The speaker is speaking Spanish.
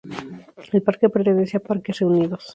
El parque pertenece a Parques Reunidos.